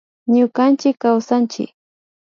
Ñukanchik kawsanchik